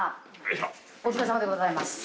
お疲れさまでございます。